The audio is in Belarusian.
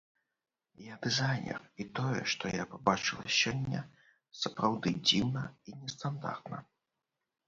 Я дызайнер і тое, што я пабачыла сёння, сапраўды дзіўна і нестандартна.